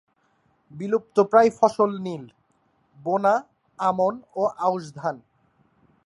বিলুপ্তপ্রায় ফসল নীল, বোনা আমন ও আউশ ধান।